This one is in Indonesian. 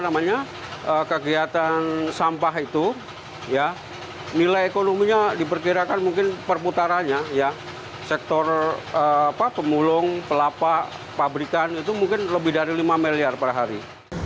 namanya kegiatan sampah itu ya nilai ekonominya diperkirakan mungkin perputarannya ya sektor pemulung pelapa pabrikan itu mungkin lebih dari lima miliar per hari